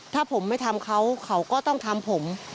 ถ้าผมไม่ทำเขาเขาก็ต้องทำผม